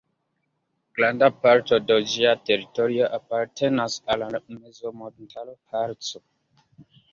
Granda parto de ĝia teritorio apartenas al la mezmontaro Harco.